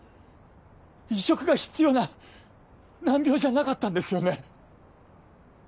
移植が必要な難病じゃなかったんですよね？